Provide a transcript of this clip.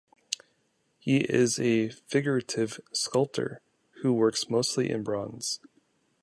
He is a figurative sculptor, who works mostly in bronze.